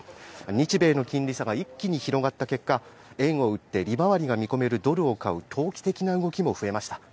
日米の金利差が一気に広がった結果円を売って利回りが見込めるドルを買う投機的な動きも増えました。